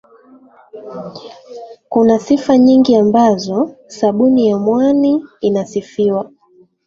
Kuna sifa nyingi ambazo sabuni ya mwani inasifiwa